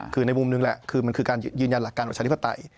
คือในมุมหนึ่งแหละคือมันคือการยืนยันหลักการประชาธิปไตย